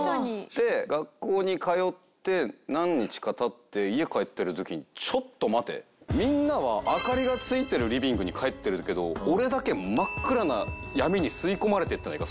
で学校に通って何日か経って家帰ってる時にちょっと待てみんなは明かりがついてるリビングに帰ってるけど俺だけ真っ暗な闇に吸い込まれていってないか？